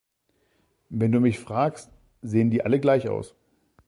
Wenn du mich fragst, sehen die alle gleich aus.